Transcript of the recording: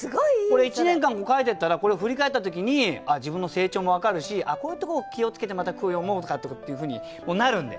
これ１年間も書いてったらこれ振り返った時に自分の成長も分かるしこういうところ気を付けてまた句を詠もうとかっていうふうになるんで。